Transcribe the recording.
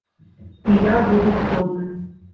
І я буду згодны.